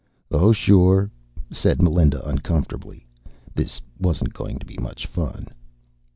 "Oh, sure," said Melinda uncomfortably. This wasn't going to be much fun.